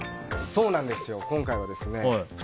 そうなんです、今回は。